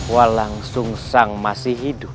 walang sung sang masih hidup